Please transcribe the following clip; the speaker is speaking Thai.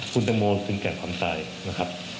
คุณตังโมถึงแก่ความตายนะครับ